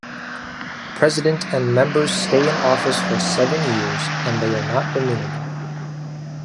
President and members stay in office for seven years and they are not renewable.